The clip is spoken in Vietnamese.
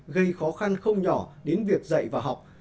gây khó khăn không nhỏ đến việc dạy và học